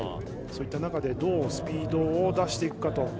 そういった中でどうスピードを出していくかと。